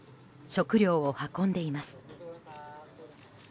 食料を運んでいます。